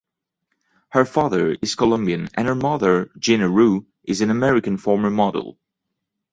Her father is Colombian and her mother, Gina Rue, is an American former model.